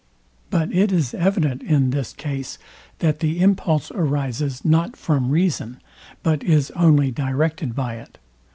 But it is evident in this case that the impulse arises not from reason, but is only directed by it.